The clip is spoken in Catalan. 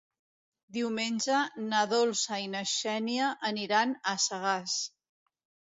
Diumenge na Dolça i na Xènia aniran a Sagàs.